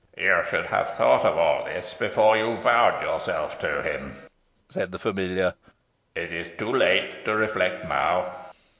"You should have thought of all this before you vowed yourself to him," said the familiar; "it is too late to reflect now."